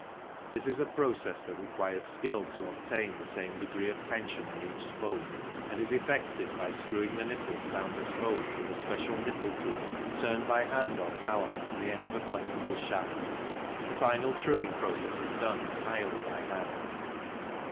This is a process that requires skill to obtain the same degree of tension on each spoke and is effected by screwing the nipples down the spoke with a special nipple key turned by hand or power on the end of a flexible shaft. The final truing process is done entirely by hand.